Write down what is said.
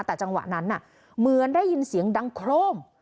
แต่จังหวะนั้นเหมือนได้ยินเสียงดังโครม